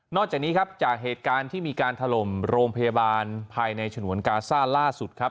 จากนี้ครับจากเหตุการณ์ที่มีการถล่มโรงพยาบาลภายในฉนวนกาซ่าล่าสุดครับ